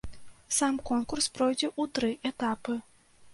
Сам конкурс пройдзе ў тры этапы.